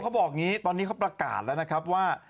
เขาบอกอย่างนี้ตอนนี้เขาประกาศแล้วนะครับว่า